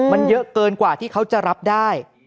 มันเยอะเกินกว่าที่เขาจะรับได้